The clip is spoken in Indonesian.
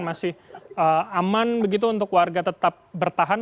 masih aman begitu untuk warga tetap bertahan